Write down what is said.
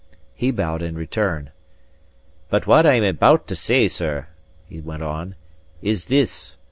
He bowed in return. "But what I am come to say, sir," he went on, "is this.